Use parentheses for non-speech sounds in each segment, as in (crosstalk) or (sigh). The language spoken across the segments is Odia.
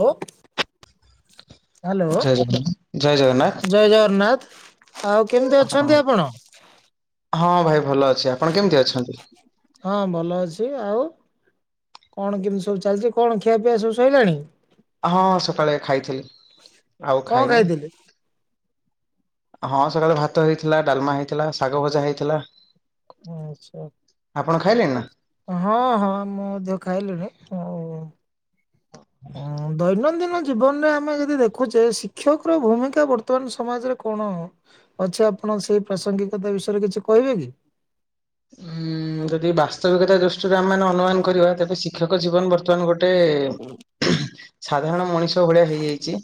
ହଁ ହ୍ୟାଲୋ ଜୟ ଜଗନ୍ନାଥ ଜୟ ଜଗନ୍ନାଥ ଜୟ ଜଗନ୍ନାଥ ଆଉ କେମିତି ହଁ ଅଛନ୍ତି ଆପଣ ହଁ ଭାଇ ଭଲ ଅଛି ଆପଣ କେମିତି ଅଛନ୍ତି? ହଁ ଭଲ ଅଛି ଆଉ କଣ କେମିତି ସବୁ ଚାଲିଛି କଣ ଖିଆ ପିଆ ସବୁ ସରିଲାଣି। ହଁ ସକାଳେ ଖାଇଥିଲି। ଆଉ କଣ ଖାଇନି। କହିଥିଲି ହଁ ସକାଳେ ଭାତ ହେଇଥିଲା ଡାଲମା ହେଇଥିଲା ଶାଗ ଭଜା ହେଇଥିଲା। ଆଛା ଆପଣ ଖାଇଲେଣି ନା? ହଁ ହଁ ମୁଁ ଦେ ଖାଇଲିୁଣି ହ ହଁ ଦୈନନ୍ଦିନ ଜୀବନରେ ଆମେ ଯଦି ଦେଖୁଛେ ଶିକ୍ଷକର ଭୂମିକା ବର୍ତ୍ତମାନ ସମାଜରେ କଣ ଅଛି ଆପଣ ସେଇ ପ୍ରାସଙ୍ଗିକତା ବିଷୟରେ କିଛି କହିବେ କି ଉୁଁ ଯଦି ବାସ୍ତବିକତା ଦୃଷ୍ଟିରୁ ଗ୍ରେ ଅନୁମାନ କରିବା ତେବେ ଶିକ୍ଷକ ଜବନ ବର୍ ବର୍ତ୍ତମାନ ଗୋଟେ ସାଧାରଣ ମଣିଷ ଭଳିଆ ହେଇଯାଇଛି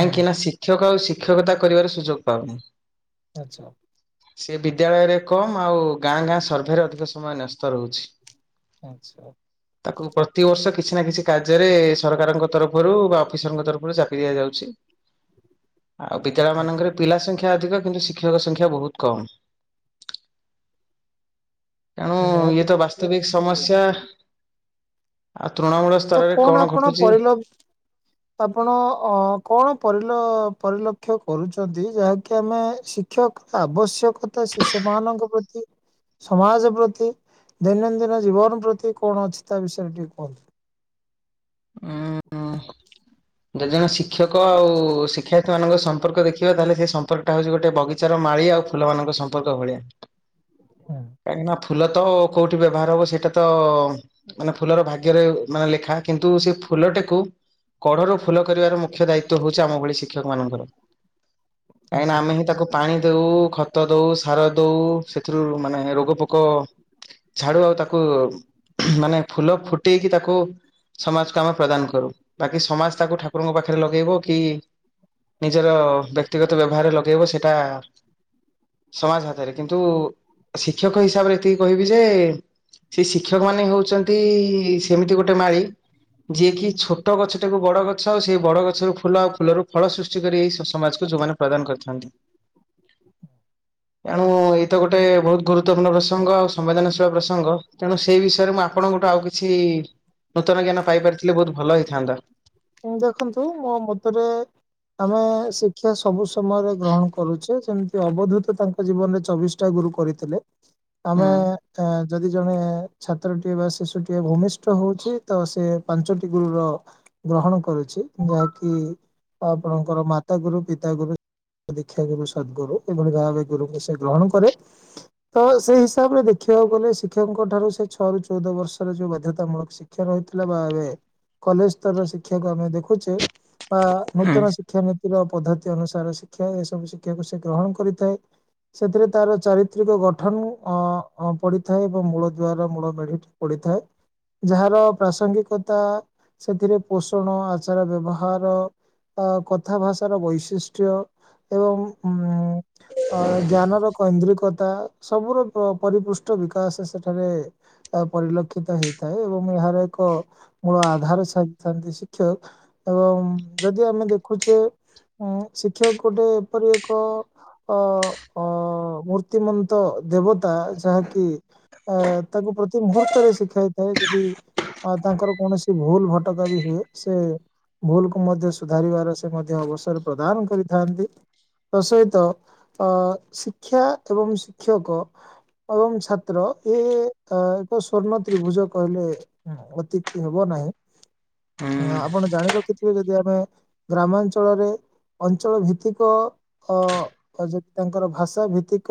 ହୁଁ ନା ଶିକ୍ଷକ ଆଉ ଶ ଶିକ୍ଷକତା କରିବାର ସୁଯୋଗ ପାଉନି ଆଛା ସେ ବିଦ୍ୟାଳୟରେ କମ୍ ଆଉ ଗାଁ ଗାଁ ସର୍ଭେରେ ଅଧିକ ସମୟ ନ୍ୟସ୍ତ ରହୁଛି। ଆଛା ତାକୁ ପ୍ରତିବର୍ଷ କିଛି ନା କିଛି କାର୍ଯ୍ୟରେ ସରକାରଙ୍କ ତରଫରୁ ବା ଅଫିସରଙ୍କ ତରଫରୁ ଚାପି ଦିଆଯାଉଛି ଆଉ ପତାଳା ଆଚ୍ଛା ମାନଙ୍କର ପିଲା ସଂଖ୍ୟା ଅଧିକ କିନ୍ତୁ ଶିକ୍ଷକ ସଂଖ୍ୟା ବହୁତ କମ୍ ତେଣୁ ନିହାତି ଇଏ ତ ପକ୍ଷେ। ବାସ୍ତବିକ ସମସ୍ୟା ଆଛ ତ କଣ ଆପଣ ପରିଲ ଆପଣ ଅ କଣ ପରିଲ ପରିଲକ୍ଷ୍ୟ କରୁଛନ୍ତି ଯାହାକି ଆମେ ଶିକ୍ଷକର ଆବଶ୍ୟକତା ଶିଷ୍ୟ ମାନଙ୍କ ପ୍ରତି ସମାଜ ପ୍ରତି ଦୈନନ୍ଦିନ ଜୀବନ ପ୍ରତି କଣ ଅଛି ତା ବିଷୟରେ ଟିକେ କୁହନ୍ତୁ। ହଁ (unintelligible) ଦୁଇ ଜଣ ଶିକ୍ଷକ ଆଉ ଶିକ୍ଷା ମଙ୍କ ସମ୍ପର୍କ ଦେଖିବା ତାହେଲେ ସେ ସମ୍ପର୍କ ଟା ହଉଛି ଗୋଟେ ବଗିଚାର ମାଳିଆ ଆଉ ଫୁଲମାନଙ୍କ ସମ୍ପର୍କ ଭଳିଆ ହୁଁ କାଇଁନାଥ ଫୁଲ ତ କୋଉଠି ବ୍ୟବହାର ହବ ସେଇଟା ତ ମାନେ ଫୁଲର ଭାଗ୍ୟରେ ମାନେ ଲେଖା କିନ୍ତୁ ସେ ଫୁଲଟାକୁ କଢରୁ ଫୁଲ କରିବାର ମୁଖ୍ୟ ଦାୟିତ୍ଵ ହଉଛି ଆମ ଭଳି ଶିକ୍ଷକ ମାନଙ୍କର କାହିଁକିନା ଆଚ୍ଛା ଆମେ ହିଁ ତାକୁ ପାଣି ଦଉ ଖତ ଦଉ ସାର ଦଉ ସେଥିରୁ ମାନେ ରୋଗ ପୋକ ଝାଡୁ ଆଉ ତାକୁ ମାନେ ଫୁଲ ଫୁଟେଇକି ତାକୁ ସମାଜକୁ ଆମେ ପ୍ରଦାନ କରୁ ବାକି ସମାଜ ତାକୁ ଠାକୁରଙ୍କ ପାଖରେ ଲଗେଇବ କି ନିଜର ବ୍ୟକ୍ତିଗତ ବ୍ୟବହାରରେ ଲଗେଇବ ସେଇଟା ସମାଜ ହାତରେ? କିନ୍ତୁ କିନ୍ତୁ ଶିକ୍ଷକ ହିସାବରେ ଏତିକି କହିବି ଯେ ସେ ଶିକ୍ଷକ ମାନେ ହଉଛନ୍ତି ସେମିତି ଗୋଟେ ମାଳି ଯିଏକି ଛୋ ଛୋଟ ଗଛଟିକୁ ବଡ ଗଛ ଆଉ ସେଇ ବଡ ଗଛରୁ ଫୁଲ ଆଉ ଫୁଲରୁ ଫଳ ସୃଷ୍ଟି କରି ଏଇ ସମାଜକୁ ଯୋଉମାନେ ପ୍ରଦାନ କରିଥାନ୍ତି। ଏଣୁ ଏଇ ତ ଗୋଟେ ବହୁତ ଗୁରୁତ୍ୱପୂର୍ଣ୍ଣ ପ୍ରସଙ୍ଗ ଆଉ ସମ୍ବେଦନଶୀଳ ପ୍ରସଙ୍ଗ ତେଣୁ ସେଇ ବିଷୟରେ ମୁଁ ଆପଣଙ୍କଠୁ ଆଉ କିଛି ନୂତନ ଜ୍ଞାନ ପାଇପାରିଥିଲି ବହୁତ ଭଲ ହେଇ ଥାଆନ୍ତା। ଦେଖନ୍ତୁ ମୋ ମତରେ ଆମେ ଶିକ୍ଷା ସବୁ ସମୟରେ ଗ୍ରହଣ କରୁଚେ ସେମତି ଅବଧୂତ ତାଙ୍କ ଜୀବନରେ ଚବିଶଟା ଗୁରୁ କରିଥିଲେ। ହୁଁ ଆମେଏ ଯଦି ଜଣେ ଛାତ୍ରଟିଏ ବା ଶିଶୁଟିଏ ଭୂମିଷ୍ଠ ହଉଛି ତ ସେ ପାଞ୍ଚଟି ଗୁରୁର ଗ୍ରହଣ କରୁଛି ଯାହାକି ଆପଣଙ୍କର ମାତା ଗୁରୁ ପିତା ଗୁରୁ ଦୀକ୍ଷା ଗୁରୁ ସଦଗୁରୁ ଏଭଳି ଭାବେ ଗୁରୁଙ୍କୁ ସେ ଗ୍ରହଣ କରେ ତ ସେଇ ହିସାବରେ ଦେଖିବାକୁ ଗଲେ ଶିକ୍ଷକଙ୍କ ଠାରୁ ସେ ଛଅ ରୁ ଚଉଦ ବର୍ଷର ଯୋଉ ବାଧ୍ୟତାମୂଳକ ଶିକ୍ଷା ରହିଥିଲା ବା ଏବେ କଲେଜ ତ ଶିକ୍ଷାକ ଆମେ ଦେଖୁଛେ ବା ହୁଁ ନୂତନ ଶିକ୍ଷାନୀତି ର ପଦ୍ଧତି ଅନୁସାରେ ଶିକ୍ଷା ଏସବୁ ଶିକ୍ଷାକୁ ସେ ଗ୍ରହଣ କରିଥାଏ। ସେଥିରେ ତାର ଚାରିତ୍ରିକ ଗଠନ ଅ ପଡିଥାଏ ଏବଂ ମୂଳ ଦୂଆର ମୂଳ ମେଢି ପଡିଥାଏ ଯାହାର ପ୍ରାସଙ୍ଗିକତା ସେଥିରେ ପୋଷଣ ଆଚାର ବ୍ୟବହାର ବା କଥା ଭାଷାର ବୈଶିଷ୍ଟ୍ୟ ଏବଂ ଉ ଅ ଜ୍ଞାନର କୈନ୍ଦ୍ରିକ ସବୁର ପରିପୃଷ୍ଟ ବିକାଶ ସେଠାରେ ପରିଲକ୍ଷିତ ହେଇଥାଏ ଏବଂ ଏହାର ଏକ ମୂଳ ଆଧାର ଥାନ୍ତି ଶିକ୍ଷକ ଏବଂ ଯଦି ଆମେ ଦେଖୁଛେ ଉ ଶିକ୍ଷକ ଗୋଟେ ଏପରି ଏକ ଅ ଅ ମୂର୍ତ୍ତିମନ୍ତ ଦେବ ତା ଯାହାକି ଆ ତାକୁ ପ୍ରତି ମୁହୂର୍ତ୍ତ ରେ ଶିଖାଇଥାଏ ଯଦି ତାଙ୍କର କୌଣସି ଭୁଲ କଟକ ବି ହୁଏ ସେ ଭୁଲକୁ ମଧ୍ୟ ସୁଧାରିବାର ସେ ମଧ୍ୟ ଅବସର ପ୍ରଦାନ କରିଥାନ୍ତି। ତା ସହିତ ଅ ଶିକ୍ଷା ଏବଂ ଶିକ୍ଷକ ଏବଂ ଛା ତ୍ର ଏ ସ୍ଵର୍ଣ୍ଣ ତ୍ରିଭୁଜ କହିଲେ ଅତ୍ୟୁକ୍ତି ହେବ ନାହିଁ। ହଁ ଆପଣ ଜାଣୀ ରଖି ଯଦି ଆମେ ଗ୍ରାମାଞ୍ଚଳରେ ଅଞ୍ଚଳ ଭିତ୍ତିକ ଅ ଯଦି ତାଙ୍କର ଭାଷା ଭିତ୍ତିକ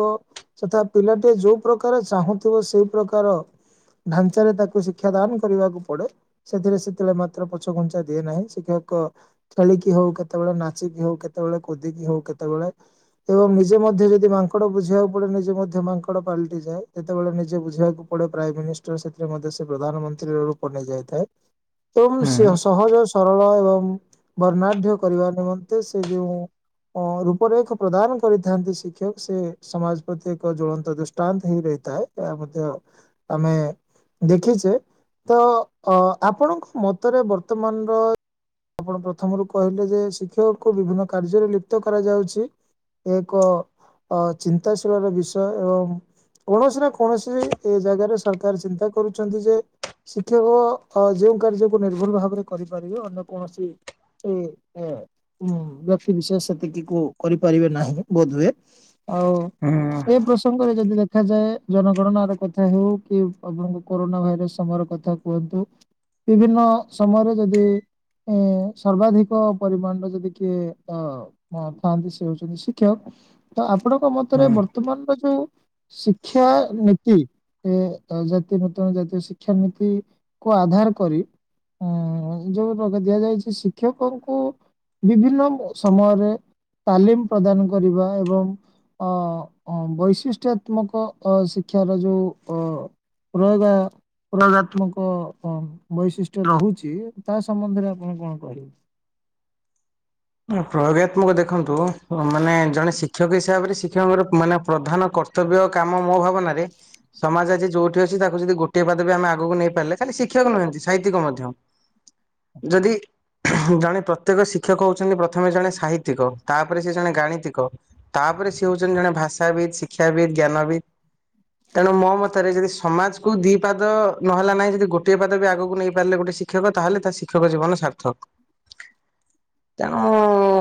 ତଥା ପିଲାଟିଏ ଯୋଉ ପ୍ରକାର ଚାହୁଁଥିବ ସେଇ ପ୍ରକାର ଢାଞ୍ଚାରେ ତାକୁ ଶିକ୍ଷା ଦାନ କରିବାକୁ ପଡେ ସେଥିରେ ସେତେବେଳେ ମାତ୍ର ପଛଘୁଞ୍ଚା ଦିଏ ନାହିଁ ଶିକ୍ଷକ ଖେଳିକି ହଉ କେତେବେଳେ ନାଚିକି ହଉ କେତେବେଳେ କୁଦିକି ହଉ କେତେବେଳେ ଏବଂ ନିଜେ ମଧ୍ୟ ଯଦି ମାଙ୍କଡ ବୁଝିବାକୁ ପଡେ ନିଜେ ମଧ୍ୟ ମାଙ୍କଡ ପାଲଟି ଯାଏ ଯେତେବେଳେ ନିଜେ ବୁଝିବାକୁ ପଡେ ପ୍ରାଇମ ମିନିଷ୍ଟର ସେଥିରେ ମଧ୍ୟ ସେ ପ୍ରଧାନମନ୍ତ୍ରୀ ରୂପ ନେଇଯାଇଥାଏ। ହୁଁ ତୁମସ୍ୟ ସହଜ ସରଳ ଏବଂ ବର୍ଣ୍ଣାଢ୍ୟ କରିବା ନିମନ୍ତେ ସେ ଯୋଉଁ ରୂପରେଖ ପ୍ରଦାନ କରିଥାନ୍ତି ଶିକ୍ଷକ ସେ ସମାଜ ପ୍ରତି ଏକ ଜ୍ଵଳନ୍ତ ଦୃଷ୍ଟାନ୍ତ ହେଇ ରହିଥାଏ ଏହା ମଧ୍ୟ ଆମେ ଦେଖିଛେ ତ ଅ ଆପଣଙ୍କ ମତରେ ବର୍ତ୍ତମାନର ଆପଣ ପ୍ରଥମରୁ କହିଲେ ଯେ ଶିକ୍ଷକକୁ ବିଭିନ୍ନ କାର୍ଯ୍ୟରେ ଲିପ୍ତ କରାଯାଉଛି ଏକ ଚିନ୍ତାଶୀଳର ବିଷୟ ଏବଂ କୌଣସି ନା କୌଣସି ଏ ଜାଗାରେ ସରକାର ଚିନ୍ତା କରୁଛନ୍ତି ଯେ ଶିକ୍ଷକ ହଁ ଯେଉଁ କାର୍ଯ୍ୟକୁ ନିର୍ଭର ଭାବରେ କରିପାରିବେ ଅନ୍ୟ କୌଣସି ସେ ବ୍ୟକ୍ତି ବିଶେଷ ସେତିକି କ କରିପାରିବେ ନାହିଁ ବୋଧହୁଏ। ଆଉ ହୁଁ ଏ ପ୍ରସଙ୍ଗରେ ଯଦି ଦେଖ ଦେଖାଯାଏ ଜନଗଣନା ର କଥା ହଉ କି ଆପଣଙ୍କ କରୋନା ଭାଇରସ ସମୟର କଥା କୁହନ୍ତୁ। ବିଭିନ୍ନ ସମୟରେ ଯଦି ଏ ସର୍ବାଧିକ ପରିମାଣରେ ଯଦି କିଏ ଅ ଥାଆନ୍ତି ସେ ହଉଛନ୍ତି ଶିକ୍ଷକ ତ ଆପଣଙ୍କ ମତରେ ହୁଁ। ବର୍ତ୍ତମାନର ଯୋଉ ଶିକ୍ଷାାନୀତି ଏ ଜାତି ଗତ ଜାତୀୟ ଶିକ୍ଷାନୀତି କୁ ଆଧାର କରି ଯୋଉ ଦିଆଯାଇଛି ଶିକ୍ଷକଙ୍କୁ ବିଭିନ୍ନ ସମୟରେ ତାଲିମ ପ୍ରଦାନ କରିବା ଏବଂ ବୈଶିଷ୍ଟ୍ୟାତ୍ମକ ଶିକ୍ଷାର ଯେଉଁ ପ୍ରୟୋଗା ପ୍ରୟୋଗାତ୍ମକ ବୈଶିଷ୍ଟ୍ୟ ରହୁଛି ତା ସମ୍ବନ୍ଧରେ ଆପଣ କଣ କହିବେ ପ୍ରୟୋଗାତ୍ମକ ଦେଖନ୍ତୁ। ତୁ ମାନେ ଜଣେ ଶି ଶିକ୍ଷକ ହିସାବରେ ଶିକ୍ଷକଙ୍କର ମାନେ ପ୍ରଧାନ କର୍ତ୍ତବ୍ୟ କାମ ମୋ ଭାବନାରେ ସମାଜ ଆଜି ଯୋଉଠି ଅଛି ତାକୁ ଯଦି ଗୋଟିଏ ପାଦବ ଆମେ ଆ ପ୍ରଥମେ ଜଣେ ସାହିତ୍ୟିକ ତାପରେ ସେ ଜଣେ ଗାଣିତିକ ତାପରେ ସେ ହଉଛନ୍ତି ଜଣେ ଭାଷାବିତ୍, ଶିକ୍ଷାବିତ୍, ଜ୍ଞାନବିତ୍ ତେଣୁ ମୋ ମତରେ ଯଦି ସମାଜକୁ ଦି ପାଦ ନହେଲା ନାହିଁ ଯଦି ଗୋଟିଏ ପାଦ ବି ଆଗକୁ ନେଇପାରିଲେ ଗୋଟେ ଶିକ୍ଷକ ତାହେଲେ ତା ଶିକ୍ଷକ ଜୀବନ ସାର୍ଥକ। ତେଣୁ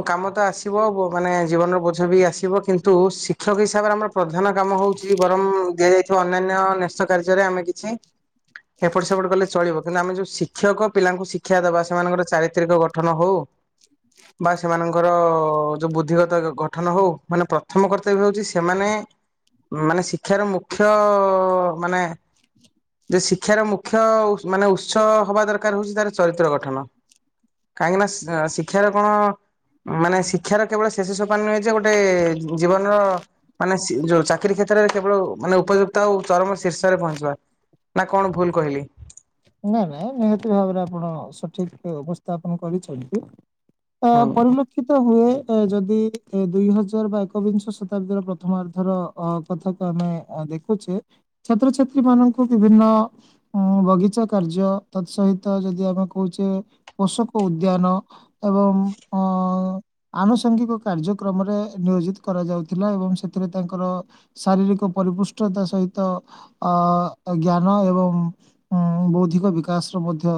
କାମ ତ ଆସିବ ମାନେ ଜୀବନର ବୋଝ ବି ଆସିବ କିନ୍ତୁ ଶିକ୍ଷକ ହିସାବରେ ଆମର ପ୍ରଧାନ କାମ ହଉଛି ବରଂ ଦିଆଯାଇଥିବା ଅନ୍ୟାନ୍ୟ ନ୍ୟସ୍ତ କାର୍ଯ୍ୟରେ ଆମେ କିଛି ଏପଟ ସେପଟ କଲେ ଚଳିବ କିନ୍ତୁ ଆମେ ଯୋଉ ଶିକ୍ଷକ ପିଲାଙ୍କୁ ଶିକ୍ଷା ଦବା ସେମାନଙ୍କର ଚାରିତ୍ରିକ ଗଠନ ହଉ। ବା ସେମାନଙ୍କର ଯୋଉ ବୁଦ୍ଧିଗତ ଗଠନ ହଉ ମାନେ ପ୍ରଥମ କର୍ତ୍ତବ୍ୟ ହଉଛି ସେମାନେ ମାନେ ଶିକ୍ଷାର ମୁଖ୍ୟ ମାନେ ଯେ ଶିକ୍ଷାର ମୁଖ୍ୟ ମାନେ ଉତ୍ସ ହବା ଦରକାର ହଉଛି ତାର ଚରିତ୍ର ଗଠନ କାହିଁକି ନା ଶିକ୍ଷାର କଣ ମାନେ ଶିକ୍ଷାର କେବଳ ଶେଷ ସୋପାନ ନୁହେଁ ଯେ ଗୋଟେ ଜୀବନର ମାନେ ଯୋଉ ଚାକିରୀ କ୍ଷେତ୍ରରେ କେବଳ ମାନେ ଉପଯୁକ୍ତ ଆଉ ଚରମ ଶୀର୍ଷରେ ପହଞ୍ଚିବା ନା କଣ ଭୁଲ କହିଲି। ନାଇଁ ନାଇଁ ନିହାତି ଭାବରେ ଆପଣ ସଠିକ ଉପସ୍ଥାପନ କରିଛନ୍ତି। ଅ ହୁଁ ପରିଲକ୍ଷିତ ହୁଏ ଯଦି ଦୁଇ ହଜାର ବା ଏକବିଂଶ ଶତାବ୍ଦୀର ପ୍ରଥମାର୍ଦ୍ଧର କଥାକୁ ଆମେ ଦେଖୁଛେ ଛାତ୍ରଛାତ୍ରୀ ମାନଙ୍କୁ ବିଭିନ୍ନ ବଗିଚା କାର୍ଯ୍ୟ ତତ୍ ସହିତ ଯଦି ଆମେ କହୁଛେ ପୋଷକ ଉଦ୍ୟାନ ଏବଂ ଆନୁଷଙ୍ଗିକ କାର୍ଯ୍ୟକ୍ରମରେ ନିୟୋଜିତ କରାଯାଉଥିଲା ଏବଂ ସେଥିରେ ତାଙ୍କର ଶାରୀରିକ ପରିପୃଷ୍ଟତା ସହିତ ଜ୍ଞାନ ଏବଂ ବହୁତ ଅଧିକ ବିକାଶର ମଧ୍ୟ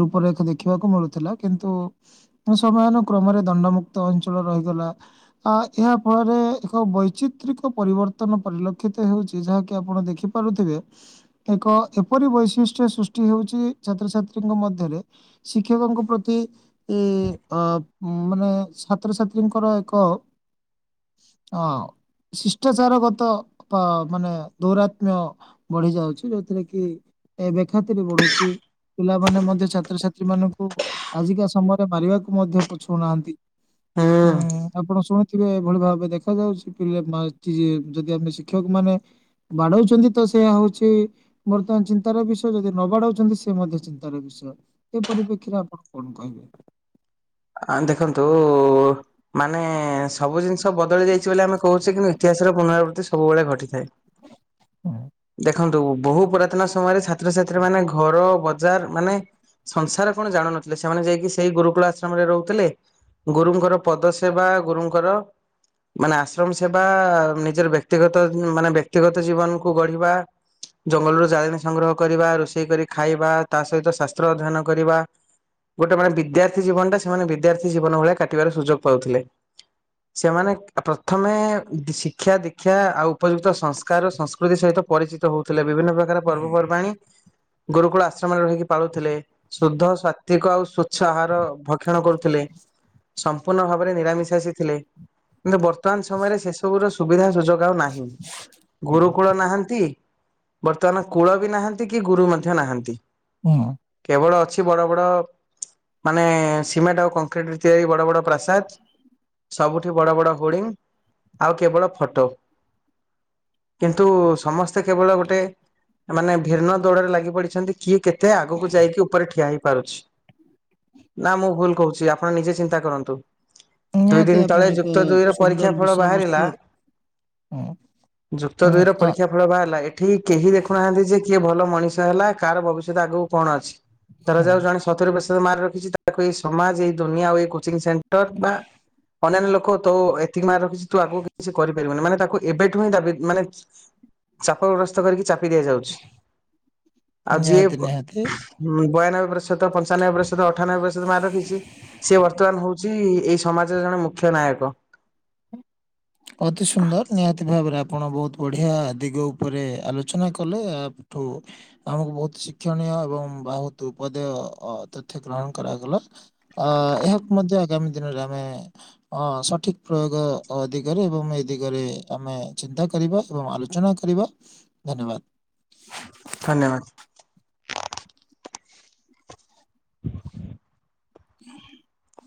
ରୂପରେଖ ଦେଖିବାକୁ ମିଳୁଥିଲା କିନ୍ତୁ ସମୟାନୁ କ୍ରମରେ ଦଣ୍ଡମୁକ୍ତ ଅଞ୍ଚଳ ରହିଗଲା ଆ ଏହା ଫଳରେ ଏକ ବୈଚିତ୍ରିକ ପରିବର୍ତ୍ତନ ପରିଲକ୍ଷିତ ହେଉଛି ଯାହାକି ଆପଣ ଦେଖିପାରୁଥିବେ ଏକ ଏପରି ବୈଶିଷ୍ଟ୍ୟ ସୃ ହେଉଛି ଛାତ୍ରଛାତ୍ରୀଙ୍କ ମଧ୍ୟରେ ଶିକ୍ଷକଙ୍କ ପ୍ରତି ଏ ମାନେ ଛାତ୍ରଛାତ୍ରୀଙ୍କର ଏକ ଅ ଶିଷ୍ଟାଚାର ଗତ ମାନେ ଦୌରାତ୍ମ୍ୟ ବଢି ଯାଉଛି ଯୋଉଥିରେ କି ଏବେ କି? ଖାତିର୍ ବଢୁଛି ପିଲାମାନୋନ ମଧ୍ୟ ଛାତ୍ରଛାତ୍ରୀ ମାନଙ୍କୁ ଆଜିକା ସମୟରେ ମାରିବାକୁ ମଧ୍ୟ ପଛଉନାହାନ୍ତି। ହୁଁ ହଁ ଆପଣ ଶୁଣିଥିବେ ଏଭଳି ଭାବେ ଦେଖା ଯାଉଛି ପିଲା ଯଦି ଆମେ ଶିକ୍ଷକ ମାନେ ବାଡଉଛନ୍ତି ତ ସେଇୟା ହଉଛି ବର୍ତ୍ତମାନ ଚିନ୍ତାର ବିଷୟ। ଯଦି ନବାଢାଉଛନ୍ତି ସେ ମଧ୍ୟ ଚିନ୍ତାର ବିଷୟ ଏ ପରିପ୍ରେକ୍ଷୀରେ ଆପଣ କଣ କହିବେ? ଆ ଦେଖନ୍ତୁ ମାନେ ସବୁ ଜିନିଷ ବ ବଦଳି ଯାଇଛି ବୋଲି ଆମେ କହୁଛେ କିନ୍ତୁ ଇତିହାସର ପନରାବୃତ୍ତି ସବୁବେଳେ ଘଟିଥାଏ। ହୁଁ, ଦେଖନ୍ତୁ ବହୁ ପୁରାତନ ସମୟରେ ଛାତ୍ରଛାତ୍ରୀ ମାନେ ଘର ବଜାର ମାନେ ସଂସାର କଣ ଜାଣୁନଥିଲେ ସେମାନେ ଯାଇକି ସେଇ ଗୁରୁକୁଳ ଆଶ୍ରମରେ ରହୁଥିଲେ ଗୁରୁଙ୍କର ପଦ ସେବା ଗୁରୁଙ୍କର ମାନେ ଆଶ୍ରମ ସେବା ନିଜର ବ୍ୟକ୍ତିଗତ ମାନେ ବ୍ୟକ୍ତିଗତ ଜୀବନ। କୁ ଗଢିବା ଜଙ୍ଗଲରୁ ଜାଳେଣୀ ସଂଗ୍ରହ କରିବା ରୋଷେଇ କରି ଖାଇବା ତା ସହିତ ଶାସ୍ତ୍ର ଅଧ୍ୟୟନ କରିବା ଗୋଟେ ମାନେ ବିଦ୍ୟାର୍ଥୀ ଜୀବନଟା ସେମାନେ ବିଦ୍ୟାର୍ଥୀ ଜୀବନ ଭଳିଆ କାଟିବାର ସୁଯୋଗ ପାଉଥିଲେ ସେମାନେ ପ୍ରଥମେ ଶିକ୍ଷା ଦୀକ୍ଷା ଆଉ। ଉପଯୁକ୍ତ ସଂସ୍କାର ଓ ସଂ ସହିତ ପରିଚିତ ହଉଥିଲେ ବିଭିନ୍ନ ପ୍ରକାର ପର୍ବପର୍ବାଣୀ ଗୁରୁକୁଳ ଆଶ୍ରମରେ ରହିକି ପାଳୁଥିଲେ ଶୁଦ୍ଧ ସାତ୍ଵିକ ଆଉ ସ୍ଵଚ୍ଛ ଆହାର ଭକ୍ଷଣ କରୁଥିଲେ ସମ୍ପୂର୍ଣ୍ଣ ଭାବରେ ନିରାମିଷାସି ଥିଲେ କିନ୍ତୁ ବର୍ତ୍ତମାନ ସମୟରେ ସେସବୁ ର ସୁବିଧା ସୁଯୋଗ ଆଉ ନାହିଁ ହୁଁ ନ୍ତି ବର୍ତ୍ତମାନ କୂଳ ବି ନାହାନ୍ତି କି ଗୁରୁ ମଧ୍ୟ ନାହାନ୍ତି। ହଁ କେବଳ ଅଛି ବଡ଼ ବଡ଼ ମାନେ ସିମେଣ୍ଟ ଆଉ କଂକ୍ରିଟରେ ତିଆରି ବଡ଼ ବଡ଼ ପ୍ରାସାଦ ସବୁଠି ବଡ଼ ବଡ଼ ହୋଡିଙ୍ଗ ଆଉ କେବଳ ଫଟୋ କିନ୍ତୁ ସମସ୍ତେ କେବଳ ଗୋଟେ ମାନେ ଭିନ୍ନ ଦୋଡରେ ଲାଗି ପଡିଛନ୍ତି କିଏ କେତେ ଆଗକୁ ଯାଇକି ଉପରେ ଠିଆ ହେଇ ପାରୁଛି ନା ମୁଁ ଭୁଲ କହୁଛି ଆପଣ ନିଜେ ଚିନ୍ତା କରନ୍ତୁ। ଦୁଇ ଦିନ ନିହାତି ତଳେ ଆପଣ ଏକ ଯୁକ୍ତ ଦୁଇର ପରୀକ୍ଷା ସୁନ୍ଦର ଫଳ ବିଷୟ ବାହାରିଲା ବସ୍ତୁ ହଁ। ଯୁକ୍ତ ଦୁଇ ର ପରୀକ୍ଷା ଫଳ ବାହାରିଲା ଏଠି କେହି ଦେଖୁନାହାନ୍ତି ଯେ କିଏ ଭଲ ମଣିଷ ହେଲା କାହାର ଭବିଷ୍ୟତ ଆଗକୁ କଣ ଅଛି। ଧରାଯାଉ ଜଣେ ସତୁରି ପ ମାର୍କ ରଖିଛି ତାକୁ ଏଇ ସମାଜ ଏଇ ଦୁନିଆ ଆଉ ଏଇ କୋଚିଂ ସେଣ୍ଟର ବା ଅନ୍ୟାନ୍ୟ ଲୋକ ତ ତିକି ମାର୍କ ରଖିଛି ତୁ ଆଗକୁ କିଛି କରିପିବୁନି ମାନେ ତାକୁ ଏବେଠୁ ହଁ ଦାବି ମାନେ ଚାପ ଗ୍ରସ୍ତ କରିକି ଚାପ ଦିଆଯାଉଛି ଆଉ ଯିଏ ନିହାତି ନିହାତି ବୟାନବେ ପ୍ରତିଶତ ପଞ୍ଚାନବେ ପ୍ରତିଶତ ଅଠାନବେ ପ୍ରତିଶତ ମାର୍କ ରଖିଛି ସିଏ ବର୍ତ୍ତମାନ ହଉଛି ଏଇ ସମାଜର ଜଣେ ମୁଖ୍ୟ ନାୟକ। ଅତି ସୁନ୍ଦର ନିହାତି ଭାବରେ ଆପ ଆପଣ ବହୁତ ବଢିଆ ଦିଗ ଉପରେ ଆଲୋଚନା କଲେ ଏହାଠୁ ଆମକୁ ବହୁତ ଶିକ୍ଷଣୀୟ ଏବଂ ବହୁତ ଉଦ୍ବଦୟ ତଥ୍ୟ ଗ୍ରହଣ କରାଗଲା ଆ ଏହାକୁ ମଧ୍ୟ ଆଗାମୀ ଦିନରେ ଆମେ ଅ ସଠିକ ପ୍ରୟୋଗ ଦି ଦରେ ଏବଂ ଏ ଦିଗରେ ଆମେ ଚିନ୍ତା କରିବା ଏବଂ ଆଲୋଚନା କରିବା ଧନ୍ୟବାଦ। ଧନ୍ୟବାଦ। (inaudible) (inaudible)